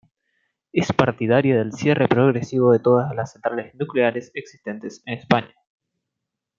Es partidaria del cierre progresivo de todas las centrales nucleares existentes en España.